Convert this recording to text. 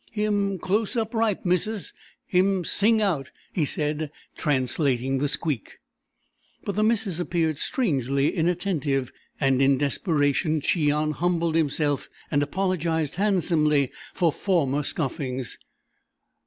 "Him close up ripe, missus. Him sing out!" he said, translating the squeak. But the missus appeared strangely inattentive, and in desperation Cheon humbled himself and apologised handsomely for former scoffings.